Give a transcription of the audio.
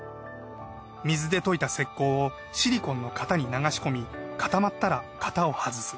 水で溶いた石膏をシリコンの型に流し込み固まったら型を外す。